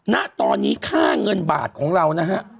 ณตอนนี้ค่าเงินบาทของเรานะฮะ